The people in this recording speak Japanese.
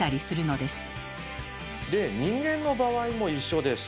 で人間の場合も一緒です。